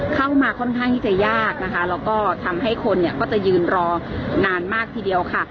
เข้ามาค่อนข้างที่จะยากนะคะแล้วก็ทำให้คนเนี่ยก็จะยืนรอนานมากทีเดียวค่ะ